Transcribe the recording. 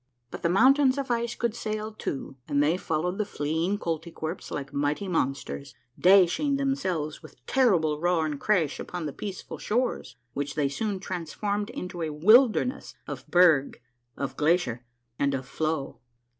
But the mountains of ice could sail too, and they followed the fleeing Koltykwerps like mighty monsters, dashing themselves with terrible roar and crash upon the peaceful shores, which they soon transformed into a wilderness of berg, of glacier, and of floe.